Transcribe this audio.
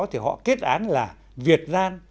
thì họ kết án là việt lan